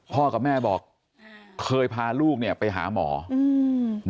กับแม่บอกเคยพาลูกเนี่ยไปหาหมออืม